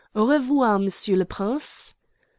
Au revoir, monsieur le prince!"